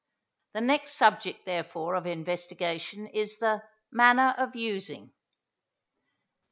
The next subject, therefore, of investigation is the MANNER OF USING.